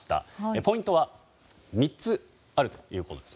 ポイントは３つあるということです。